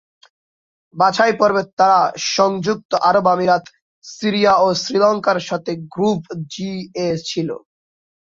বাছাইপর্বে তারা সংযুক্ত আরব আমিরাত, সিরিয়া ও শ্রীলঙ্কার সাথে গ্রুপ জি-এ ছিল।